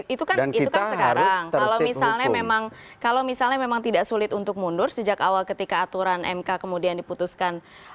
itu kan sekarang kalau misalnya memang kalau misalnya memang tidak sulit untuk mundur sejak awal ketika aturan mk kemudian diputuskan